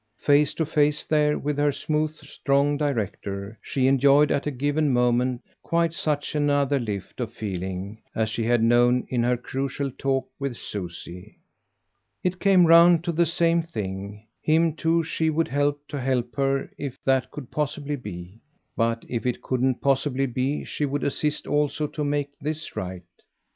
Face to face there with her smooth strong director, she enjoyed at a given moment quite such another lift of feeling as she had known in her crucial talk with Susie. It came round to the same thing; him too she would help to help her if that could possibly be; but if it couldn't possibly be she would assist also to make this right.